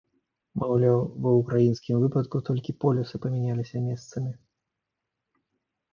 Маўляў, ва ўкраінскім выпадку толькі полюсы памяняліся месцамі.